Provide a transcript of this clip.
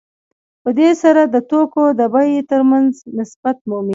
په دې سره د توکو د بیې ترمنځ نسبت مومي